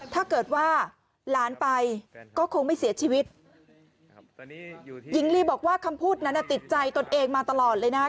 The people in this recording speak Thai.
ถ้าเกิดว่าหลานไปก็คงไม่เสียชีวิตหญิงลีบอกว่าคำพูดนั้นติดใจตนเองมาตลอดเลยนะคะ